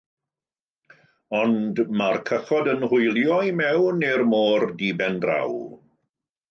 Ond, mae'r cychod yn hwylio i mewn i'r môr di ben draw.